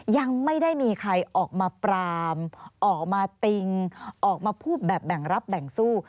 ยังไม่ได้มีใครออกมาปรามออกมาติงออกมาพูดแบบแบ่งรับแบ่งสู้